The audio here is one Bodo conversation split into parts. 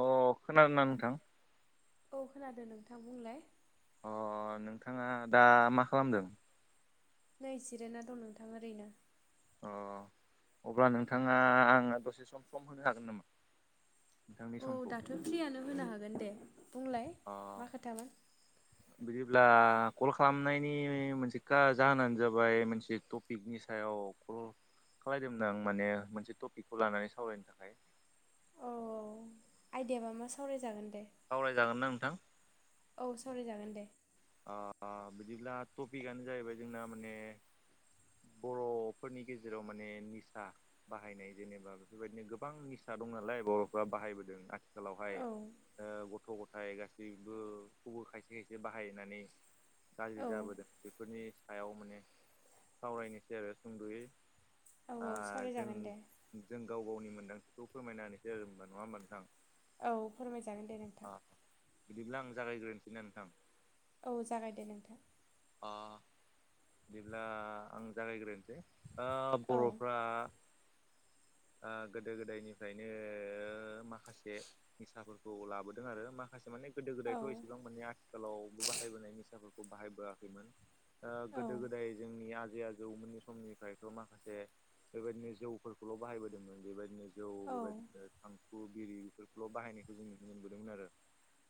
अ खोनादोंना नोंथां? औ खोनादों नोंथां बुंलाय। अ नोंथाङा दा मा खालामदों? नै जिराया दं नोंथां ओरैनो। अ अब्ला नोंथाङा [unintelligible] दसे सम सम होनो हागोन नामा? नोंथांनि औ समखौ। दाथ' फ्रियानो होनो हागोन दे बुंलाय। अ मा खोथामोन बिदिब्ला कल खालामनायनि मोनसे का जाहोनानो जाबाय मोनसे टप टपिकनि सायाव कल खालायदोंमोन आं माने मोनसे टपिकखौ लानानै सावरायनो थाखाय। औ औ आयदयाबा मा सावरायजागोन दे। सावरायजागोन ना नोंथां? औ सावरायजागोन दे। ओ ओ बिदिब्ला टपिकआनो जाहैबाय जोंना माने बर'फोरनि गेजेराव माने निसा बाहायनाय जेनेबा बेफोरबायदिनो गोबां निसा दं नालाय बर'फ्रा बाहायबोदों औ खालावहाय ओ गथ' गथाय गासैबोखौबो खायसे खायसे बाहाय नानै औ गाज्रि जाबोदों बेफोरनि सायाव माने सावरायनोसै आरो सुंद'यै औ आ औ जों सावरायजागोन दे जों गाव गावनि मोन्दांथिखौ फोरमायनानैसै [unintelligible] नङा होमबा नोंथां? औ फोरमायजागोन दे नों अ बिदिब्ला आं जागायग्रोनोसै ना नोंथां? औ जागाय दे नोंथां। आ बिदिब्ला आं जागायग्रोनोसै आ औ बर'फ्रा ओ गोदो गोदायनिफ्रायनो ओ माखासे निसाफोरखौ लाबोदों आरो माखासे माने गोदो औ गोदायथ' एसेबां माने आथिखालावबो बाहायबोनाय निसाफोरखौ बाहायबोआखैमोन। औ गोदो गोदाय जोंनि आजै आ जौमोननि समनिफ्रायथ' माखासे बेबायदिनो जौफोरखौल' बाहायबोदोंमोन बेबायदिनो औ बेबायदिखो थांखु, बिरि बेफोरखौल' बाहायनायखौ जोंनुनो मोनबोदोंमोन आरो।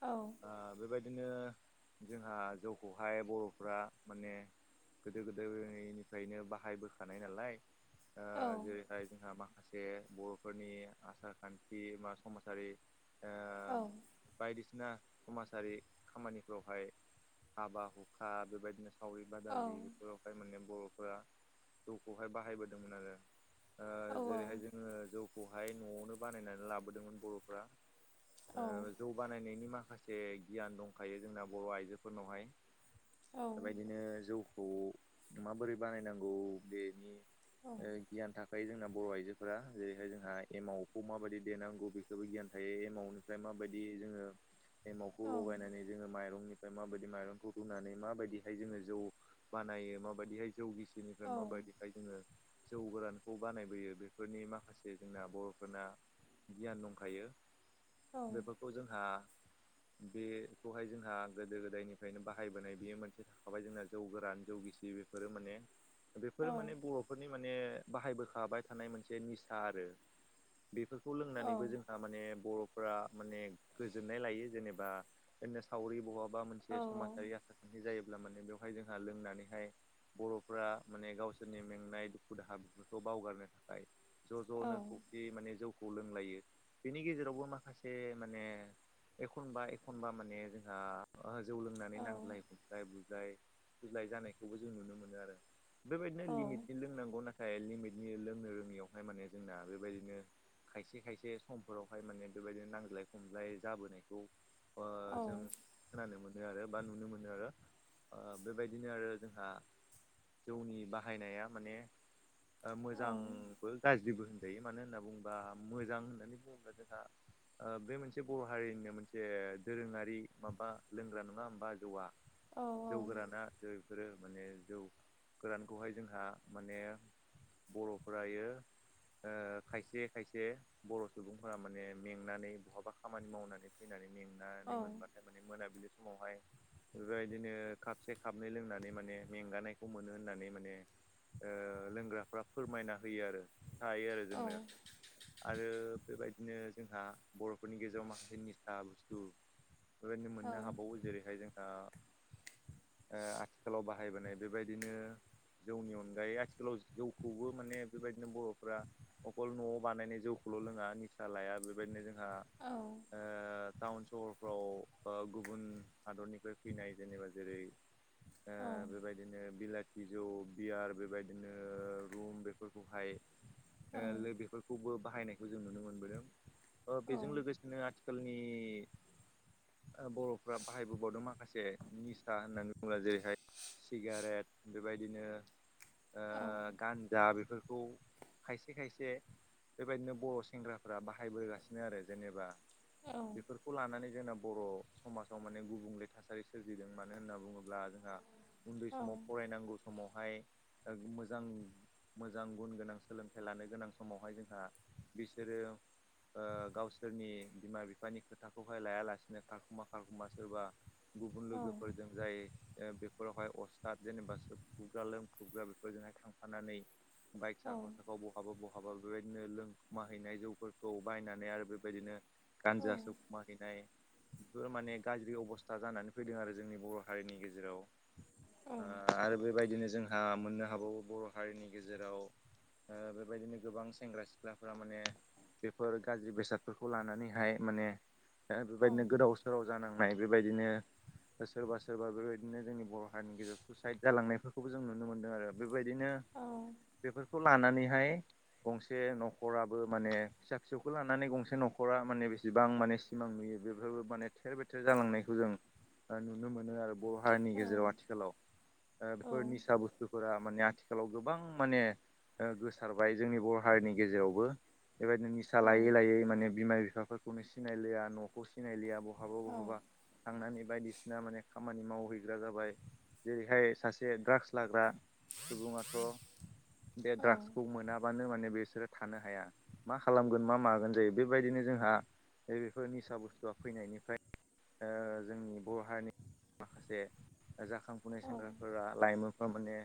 औ आ बेबायदिनो जोंहा जौखौहाय बर' फ्रा माने गोदो गोदायनिफ्रायनो बाहायबोखानाय नालाय। ओ औ जेरैहाय जोंहा माखासे जे बर'फोरनि आसार खान्थि बा समाजारि औ बायदिसिना समाजारि खामानिफ्रावहाय हाबा हुखा बेबायदिनो सावरि औ बादालि बेफोरावहाय माने बर'फोरा जौखौहाय बाहायबोदोंमोन आरो। औ औ जोंङो जौखौहाय न'आवनो बानायनानै लाबोदोंमोन बर'फ्रा ओ जौ बानायनायनि माखासे गियान दंखायो जोंना बर' आइजोफोरनावहाय औ बेबायदिनो जौखौ माबोरै बानायनांगौ बेनि औ गियान थाना ओफाय जोंना बर' आइजोफोरा जेरैहाय जोंहा एमाव खौ माबायदि देनांगौ बेखौबो गियान थायो एमावनो मफ्राय माबायदि जोङो एमावखौ लगायनानै जोङो माइरंनिफ्राय माबायदि माइरंखौ रुनानै माबायदिहाय जोङो जौ बानायो माबायदिहाय जौ गिसिनिफ्राय माबायदिहाय जोङो जौ गोरानखौ बानायबोयो बेफोरनि माखासे जोंना बर'फोरना गियान दंखायो बेफोरखौ जोंहा बे खौहाय जोंहा गोदो गोदायनिफ्रायनो बाहायबोनाय बेयो मोनसे थाखाबाय जोंना जौ गोरान जौ गिसि बेफोरो माने औ बेफोरो माने बर'फोरनि माने बाहायबोखाबाय थानाय मोनसे निसा आरो बेफोरखौ औ लोंनानैबो औ जोंहा माने बरफ फ्रा माने गोजोननाय लायो जेनेबा बिदिनो सावरि बहाबा औ मोनसे समाजारि खान्थि जायोब्ला माने बेवहाय जोंहा लोंनानैहाय बर'फ्रा माने गावसोरनि मेंनाय दुखु दाहा बेफोरखौ बावगारनो थाखाय ज' ज'नो खौसे माने जौखौ लोंलायो बेनि गेजेरावबो माखासे माने एखनबा एखनबा माने जोंहा जौ लोंनानै नांज्लाय नाय बुलाय बुज्लाय जानायखौबो जों नुनो मोनो आरो बेबायदिनो लिमिटनि लोंनांगौ ना थाय लिमिटनि लोंनो रोङियावहाय माने जोंना बेबायदिनो खायसे खायसे समफोरावहाय माने बेबायदि नांज्लाय खमज्लाय जाबोनायखौ ओ जों खोनानो मोनो आरो बा नुनो मोनो। [unintelligible] ओ बेबायदिनो आरो जोंना जौनि बाहायनाया माने मोजांबो गाज्रिबो बे मानो होनना बुङोबा मोजां होननानै बुङोब्ला जोंहा ओ बे मोनसे बर' हारिनिनो मोनसे दोरोङारि माबा लोंग्रा नङा होमबा जौवा? जौ गोराना बेफोरो माने जौ गोरानखौहाय जोंहा माने बर'फोरायो ओ खायसे खायसे बर' सुबुंफोरा माने मेंनानै बहाबा खामानि मावनानै फैनानै मेंनानै मोनबाथाय माने मोनाबिलि समावहाय बेबायदिनो खापसे खाबनै लोंनानै माने मेंगानायखौ मोनो होननानै माने ओ लोंग्राफ्रा फोरमायना होयो आरो थायो आरो जोंनो आरो बेबायदिनो जोंहा बर'फोरनि गेजेराव माखासे निसा बुस्थु बेबायदिनो मोननो हाबावो जेरैहाय जोंना ओ आथिखालाव बाहायबोनाय बेबायदिनो जौनि अनगायै आथिखालाव जौखौबो माने बेबायदिनो बर'फ्रा अखल न'आव बानायनाय जौखौल' लोङा निसा लाया बेबायदिनो जों हा ओ टाउन सहरफ्राव गुबुन हादरनि [unintelligible] फैनाय जेनेबा जेरै ओ बेबायदिनो बिलाथि जौ, बियार बेबायदिनो रुम बेफोरखौहाय [unintelligible] बाहायनायखौ जों नुनो मोनबोदों ओ बेजों लोगोसेनो आथिख खालनि बर'फ्रा बाहायबोबावदों मा माखासे निसा होननानै बुंङोब्ला जेरैहाय सिगारेट बेबायदिनो ओ गान्जा बेफोरखौ खायसे खायसे बेबायदिनो बर' सेंग्राफ्रा बाहायबोगासिनो आरो जेनेबा बेफोरखौ लानानै जोंना बर' समाजाव माने गुबुंले थासारि सोरजिदों मानो होनना बुङोब्ला जोंहा उन्दै समाव फरायनांगौ स समावहाय मोजां मोजां गुन गोनां सोलोंथाइ लानो गोनां समावहाय जोंहा बिसोरो ओ गावसोरनि बिमा बिफानि खोथाखौहाय लायालासिनो खारखुमा-खारखुमा सोरबा गुबुन लोगोफोरजों जायो। ओ बेफोरावहाय अस्थाद जेनेबा सोबखुबग्रा लोमखुबग्रा बेफोरजोंहाय थांफानानै बाइक औ साखाव-साखाव बहाबा बहाबा बेबायदिनो लोंखुमाहैनाय जौफोरखौ बायनानै आरो बेबायदिनो गानजा सोबखुमा हैैनाय फोर माने गाज्रि अबस था जानानै फैदों आरो जोंनि बर' हारिनि गेजेराव आ आरो बेबायदिनो जों आ मोननो हाबावो बर' हारिनि गेजेराव ओ बेबायदिनो गोबां सेंग्रा सिख्लाफोरा माने बेफोर गाज्रि बेसादफोरखौ लानानैहाय माने बेबायदिनो गोदाव सोराव जानांनाय बे बेबायदिनो सोरबा सोरबा बेबायदिनो जोंनि बर' हारिनि गेजेराव सुसाइद जालांनायफोरखौबो जों नुनो मोनदों आरो। बेबायदिनो बेफोरखौ लानानैहाय गंसे न'खराबो माने फिसा फिसौखौ लानानै गंसे न'खरा माने बेसेबां माने सिमां नुयो बेफोरबो माने थेर बेथेर जालांनायखौ जों नुनो मोनो आरो बर' हारिनि गेजेराव आथिखालाव ओ बेफोर निसा बुस्थुफोरा माने आथिखाल आथिखालाव गोबां माने ओ गोसारबाय जोंनि बर' हारिनि गेजेरावबो। बेबायदिनो निसा लायै लायै माने बिमा बिफाफोरखौ खौनो सिनायलिया न'खौ सिनायलिया बहाबा बहाबा थांनानै बायदिसिना माने खामानि मावहैग्रा जाबाय जेरैहाय सासे द्राग्स लाग्रा सुबुंङाथ' बे द्राग्सखौ मोनाब्ला नो माने बिसोरो थानो हाया मा खालामगोन मा मागोन जायो बेबायदिनो जोंहा ओ बे बेफोर निसा बुस्थुआ फैनायनिफ्राय ओ जोंनि बर' हारिनि माखासे जाखांफुनाय सेंग्राफोरा लाइमोनफोरा माने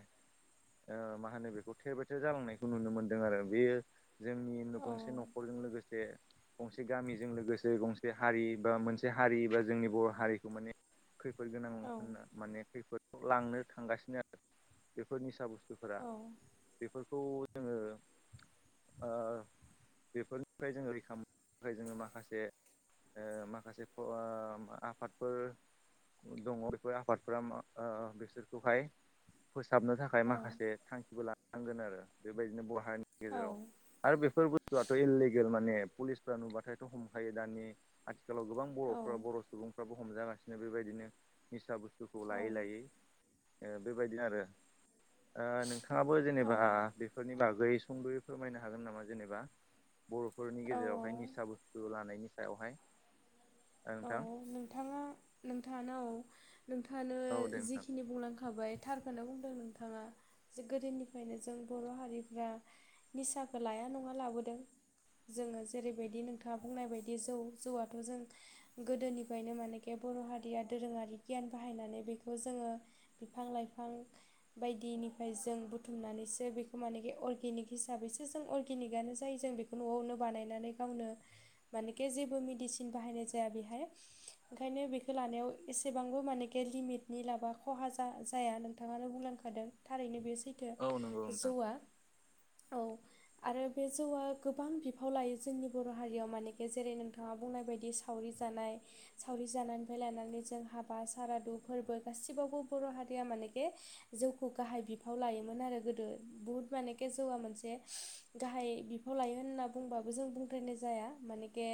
ओ मा होनो बेखौ थेबायथे जालांनायखौ नुनो मोनदों आरो बेयो जोंनि गंसे न'खरजों लोगोसे गंसे गामिजों लोगोसे गंसे हारि बा मोनसे हारि बा जोंनि बर' हारिखौ माने खैफोद गोनां होनना माने खैफोदाव लांनो थांगासिनो आरो। बेफोर निसा बुस्थुफोरा बेफोरखौ जोंङो ओ बेफोरनिफ्राय जोंङो रैखा मोननो थाखाय जोंङो माखासे ओ माखासे ओ आफादफोर दंङ बेफोर आफादफोरा मा ओ बिसोरखौहाय फोसाबनो थाखाय माखासे थांखिबो लानांगोन आरो बेबायदिनो बहा हारिनि गेजेराव आरो बेफोर बुस्थुआथ' इनलिगेल माने पुलिस नुबाथायथ' हमखायो दानि आथिखालाव गोबां बर'फ्रा बर' सुबुंफ्राबो हमजागासिनो बेबायदिनो निसा बुस्थुखौ लायै लायै। ओ बेबायदि आरो ओ नोंथाङाबो जेनेबा बेफोरनि बागै सुंद'यै फोरमायनो हागोन नामा जेनेबा बर'फोरनि औ गेजेरावहाय औ निसा बुस्थु लानायनि सायावहाय ओ नोंथां नोंथांङा नोंथाङानो औ नोंथांङानो औ दे नोंथां जिखिनि बुंलांखाबाय थारखौनो बुंदों नोंथांङा जे गोदोनिफ्रायनो जों बर' हारिफ्रा निसाखौ लाया नंङा लाबोदों। जोंङो जेरैबायदि नोंथाङा बुंनाय बायदि जौ जौआथ' जों गोदोनिफ्रायनो मानेखि बर' हारिया दोरोंङारि गियान बाहायनानै बेखौ जोंङो बिफां लाइफां बायदिनिफ्राय जों बुथुमनानैसो बेखौ मानेखि अर्गेनिक हिसाबैसो जों अर्गेनिकआनो जायो जों बेखौ न'आवनो बानायनानै गावनो मानिके जेबो मेडिसिन बाहायनाय जाया बेहाय ओंखायनो बेखौ लानायाव एसेबांबो मानेके लिमिटनि लाबा खहा जाया नोंथांङानो बुंलांखा दों थारैनो बे सैथो औ नंगौ नोंथां जौआ औ [inaudible] आरो बे जौआ गोबां बिफाव लायो जोंनि बर' हारियाव मानेखि जेरै नोंथांङा बुंनाय बायदि सा वरि जानाय सावरि जानायनिफ्राय लानानै जों हाबा सारादु फोरबो गासिबावबो बर' हारिया मानेखे जौखौ गाहाय बिफाव लायोमोन आरो गोदो। बुहुद मानेखे जौआ मोनसे गाहाय बिफाव लायो होनना बुंबाबो जों बुंद्रायनाय जाया मानेके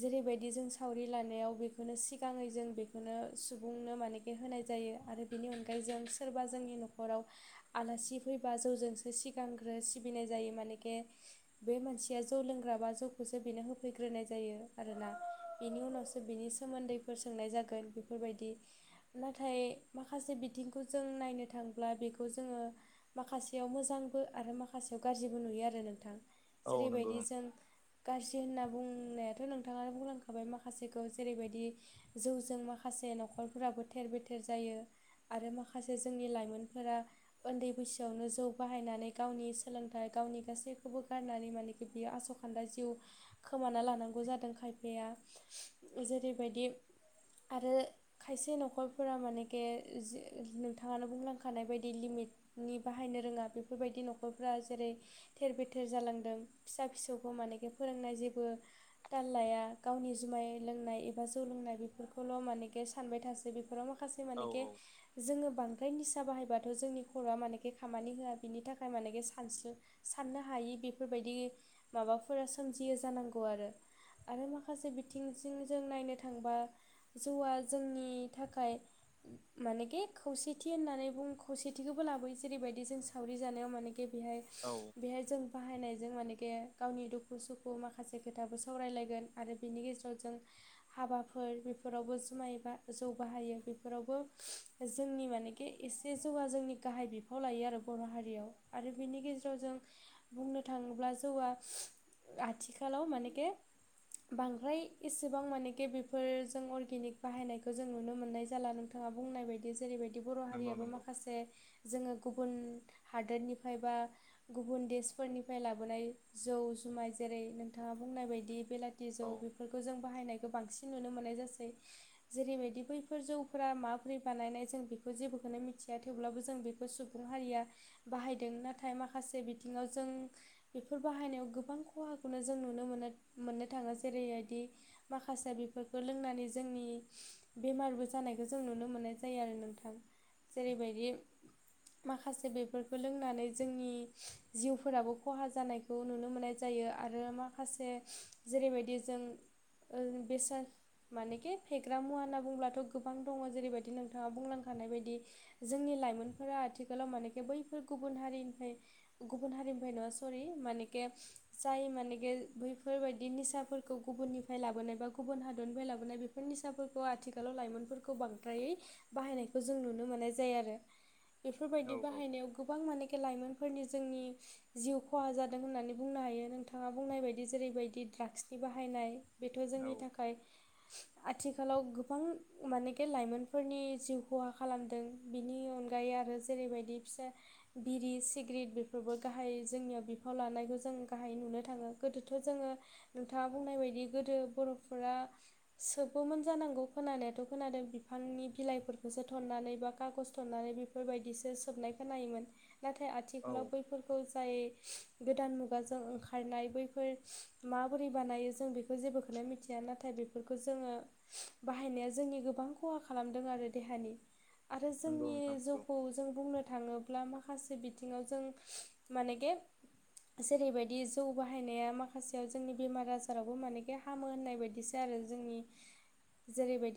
जेरैबायदि बिदि जों सावरि लानायाव बेखौनो सिगांङै जों बेखौनो सुबुंनो मानेखे होनाय जायो आरो बेनि अनगायै जों सोरबा जोंनि न'खराव आलासि फैबा जौजोंसो सिगांग्रो सिबिनाय जायो मानेखे बे मानसिया जौ लोंग्राबा जौखौसो बेनो होफैग्रोनाय जायो आरो ना। बेनि उनावसो बिनि सोमोन्दैफोर सोंनाय जागोन बेफोरबायदि। नाथाय माखासे बिथिंखौ जों नायनो थांब्ला बेखौ जोङो माखासेयाव मोजांबो आरो माखासेयाव गाज्रिबो नुयो आरो नोंथां। औ नंगौ जेरैबायदि जों गाज्रि होनना बुंनायाथ' नोंथांङानो बुंलांखा- बाय माखासेखौ जेरैबायदि जौजों माखासे न'खरफोराबो थेर-बेथेर जायो। आरो माखासे जोंनि लाइमोनफोरा उन्दै बैसोआवनो जौ बाहायनानै गावनि सोलोंथाइ गावनि गासैखौबो गारनानै माने बिब्दि आसखान्दा जिउ खोमाना लानांगौ जादों खायफाया। जेरैबायदि आरो खायसे न'खरफोरा मानेखे जि नोंथाङानो बुंलांखानाय बायदि लिमिट नि बाहायनो रोङा बेफोरबायदि न'खरफोरा जेरै थेर-बेथेर जालांदों फिसा फिसौखौ मानेखि फोरोंनाय जेबो ताल लाया। गावनि जुमाय लोंनाय एबा जौ लोंनाय बेफोरखौल' मानेखे सानबाय थासै बे- फोराव माखासे औ मानोके जोङो बांद्राय निसा बाहायबाथ' जोंनि खर'आ मानेके खामानि होआ बिनि थाखाय मानेके सानस' साननो हायि बेफोरबायदि माबाफोरा सोमजियो जानांगौ आरो। आरो माखा- माखासे बिथिंजों जों नायनो थांबा जौआ जोंनि थाखाय मानेखे खौसेथि होननानै बुं खौसेथिखौबो लाबोयो जेरैबायदि जों सावरि जानायाव मानेखे बेहाय औ बेहाय जों बाहायनायजों मानखे गावनि दुखु-सुखु माखासे खोथाबो सावरायलायगोन। आरो बिनि गेजेराव जों हाबाफोर बेफोरावबो जुमाय बा जौ बाहायो बेफोरावबो जोंनि मानेखे एसे जौगा जोंनि गाहाय बिफाव लायो आरो बर' हारियाव आरो बिनि गेजेराव जों बुंनो थांङोब्ला जौआ आथिखालाव मानेखे बांद्राय एसेबां मानेके बेफोरजों अर्गेनिक बाहायनायखौ जों नुनो मोननाय जाला नोंथाङा बुंनाय बायदि। जेरैबायदि बर' नंगौ हारियाबो नंगौ माखासे जोंङो गुबुन हादोरनिफ्राय बा गुबुन देशफोरनिफ्राय लाबोनाय जौ-जुमाय। जेरै नोंथाङा बुंनाय बायदि बेला- थि जौ औ बेफोरखौ जों बाहायनायखौ बांसिन नुनो मोननाय जासै। जेरैबायदि बैफोर जौफोरा माबोरै बानायनाय जों बेखौ जेबोखौनो मिथिया। थेवब्लाबो जों बे- खौ सुबुं हारिया बाहायदों नाथाय माखासे बिथिङाव जों बेफोर बाहायनायाव गोबां खहाखौनो जों नुनो मोनो मोननो थांङो। जेरैबायदि माखासे बेफोरखौ लोंनानै जोंनि बेमारबो जानायखौ जों नुनो मोननाय जायो आरो नोंथां। जेरैबायदि माखासे बेफोरखौ लोंनानै जोंनि जिउफोराबो खहा जानाय- खौ नुनो मोननाय जायो आरो माखासे जेरैबायदि जों ओ बेसाद- मानेखे फेग्रा मुवा होनना बुंब्लाथ' गोबां दङ जेरैबायदि नोंथाङा बुंलांखानाय बायदि जोंनि लाइमोनफोरा आथिखालाव मानेखे बैफोर गुबुन हारिनिफ्राय गुबुन हारिनिफ्राय नङा सरि। मानेके जाय मानेके बैफोरबायदि बिदि निसाफोरखौ गुबुननिफ्राय लाबोनाय बा गुबुन हादरनिफ्राय लाबोनाय बेफोर निसाफोरखौ आथिखालाव लाइमोनफोरखौ बां- बांद्रायै बाहायनायखौ जों नुनो मोननाय जायो आरो। बेफोरबायदि औ बाहायनायाव गोबां मानेखे लाइमोनफोरनि जोंनि जिउ खहा जादों होननानै बुंनो हायो। नोंथाङा बुंनाय बायदि जेरैबायदि ड्राग्सनि बाहायनाय बेथ' औ जोंनि औ थाखाय आथिखालाव गोबां मानेखे लाइमोनफोरनि जिउ खहा खालामदों बिनि अनगायै आरो जेरैबायदि फिसा बिरि सिग्रेट बेफोरबो गाहाय जोंनियाव बिफाव लानायखौ जों गाहाय नुनो थांङो। गोदोथ' जोङो नोंथाङा बुंनाय बायदि गोदो बर'फोरा सोबोमोन जानांगौ खोनानायाथ' खोनादों बिफांनि बिलाइफोरखौसो थननानै बा खागज थननानै बे बेफोरबायदिसो सोबनायखौ नायोमोन नाथाय आथि औ आथिखालाव बैफोरखौ जाय गोदान मुगाजों ओंखारनाय बैफोर मा बोरै बानायो जों बेखौ जेबोखोननो मिथिया नाथाय बे बेफोरखौ जोंङो बाहायनाया जोंनि गोबां खहा खालामदों आरो देहानि आरो नंगौ जोंनि नोंथां नंगौ जौखौ जों बुंनो थाङोब्ला माखासे बिथिङाव जों माने गे जेरैबायदि जौ बाहायनाया माखासेयाव जोंनि बेमार आजारावबो मानेखे हामो होननाय बायदिसो आरो जोंनि जेरैबायदि